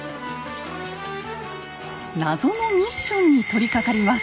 謎のミッションに取りかかります。